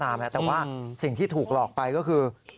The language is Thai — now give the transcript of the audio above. จะขายคับสินอะไรก็ตามแต่ว่าสิ่งที่ถูกหลอกไปก็คือ